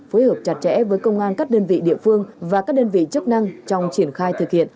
phối hợp chặt chẽ với công an các đơn vị địa phương và các đơn vị chức năng trong triển khai thực hiện